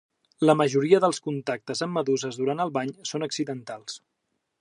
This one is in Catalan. La majoria dels contactes amb meduses durant el bany són accidentals.